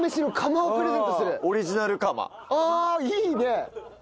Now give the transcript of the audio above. ああいいね！